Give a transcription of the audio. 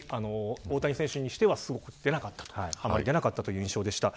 大谷選手にしてはあまり出なかったという印象でした。